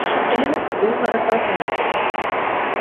އެހެނަސް ދޫ ހަރަކާތެއްނުކުރޭ